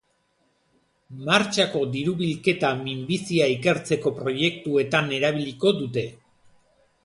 Martxako diru-bilketa minbizia ikertzeko proiektuetan erabiliko dute.